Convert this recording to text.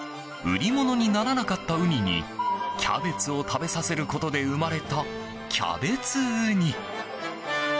売り物にならなかったウニにキャベツを食べさせることで生まれたキャベツウニ。